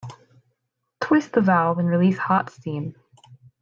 Twist the valve and release hot steam.